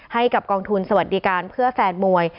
ให้กับกองทุนสวัสดิการเพื่อแฟนมวย